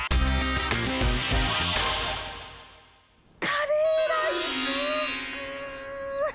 カレーライスぐっ！